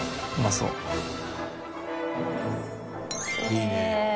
いいね。